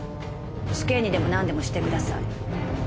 死刑にでもなんでもしてください。